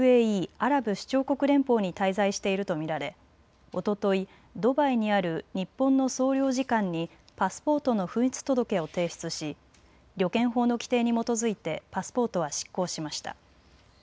アラブ首長国連邦に滞在していると見られおととい、ドバイにある日本の総領事館にパスポートの紛失届を提出し旅券法の規定に基づいてパスポートは失効しました。